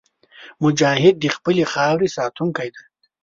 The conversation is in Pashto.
مجاهد د خپلې خاورې ساتونکی دی.